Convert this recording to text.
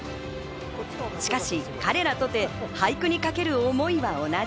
しかし彼らとて俳句にかける思いは同じ。